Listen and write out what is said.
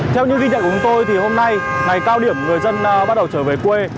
theo những ghi nhận của chúng tôi thì hôm nay ngày cao điểm người dân bắt đầu trở về quê